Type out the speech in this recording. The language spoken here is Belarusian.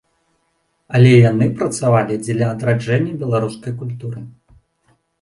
Але яны працавалі дзеля адраджэння беларускай культуры.